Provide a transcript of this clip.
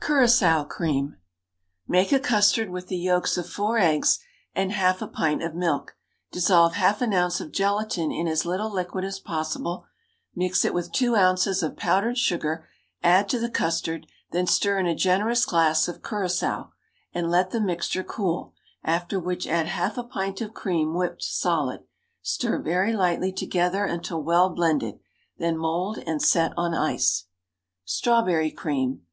Curaçoa Cream. Make a custard with the yolks of four eggs and half a pint of milk; dissolve half an ounce of gelatine in as little liquid as possible; mix it with two ounces of powdered sugar; add to the custard; then stir in a generous glass of curaçoa, and let the mixture cool, after which add half a pint of cream whipped solid. Stir very lightly together until well blended; then mould and set on ice. _Strawberry Cream.